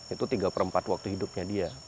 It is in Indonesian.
itu tiga per empat waktu hidupnya dia